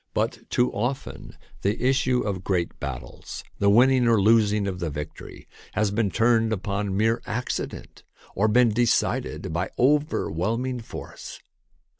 But too often the issue of great THE TAKING OF CITIES battles, the winning or losing of the victory, has turned upon mere accident or been decided by overwhelming force.